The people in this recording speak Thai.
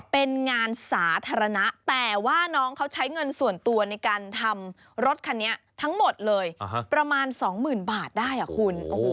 เป็นงานสาธารณะแต่ว่าน้องเขาใช้เงินส่วนตัวในการทำรถคันนี้ทั้งหมดเลยประมาณ๒๐๐๐บาทได้อ่ะคุณ